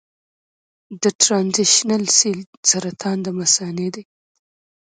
د ټرانزیشنل سیل سرطان د مثانې دی.